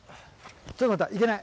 ちょっと待った行けない。